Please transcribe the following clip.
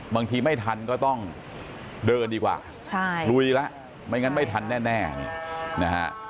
ไม่ทันก็ต้องเดินดีกว่าลุยแล้วไม่งั้นไม่ทันแน่นะฮะ